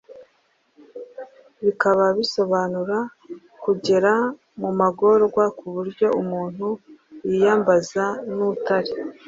bikaba bisobanura kugera mu magorwa ku buryo umuntu yiyambaza n’ utari